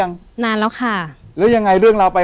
วันนี้นางมามะ